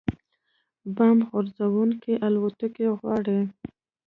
بمب غورځوونکې الوتکې غواړي